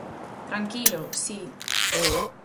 ¡Tranquilo!, ¡si!